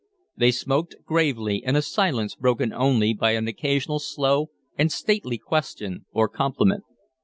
They smoked gravely, in a silence broken only by an occasional slow and stately question or compliment.